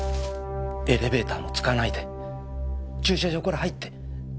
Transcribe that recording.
エレベーターも使わないで駐車場から入って。